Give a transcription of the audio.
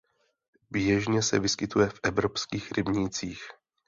Běžně se vyskytuje v evropských rybnících.